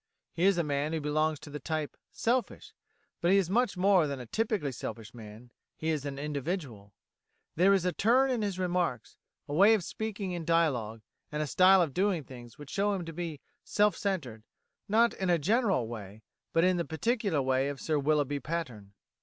He is a man who belongs to the type "selfish"; but he is much more than a typically selfish man; he is an individual. There is a turn in his remarks, a way of speaking in dialogue, and a style of doing things which show him to be self centred, not in a general way, but in the particular way of Sir Willoughby Patterne.